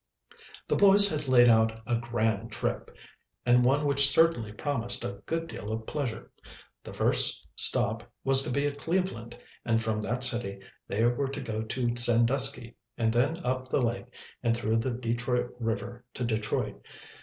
The boys had laid out a grand trip, and one which certainly promised a good deal of pleasure. The first stop was to be at Cleveland, and from that city they were to go to Sandusky, and then up the lake and through the Detroit River to Detroit.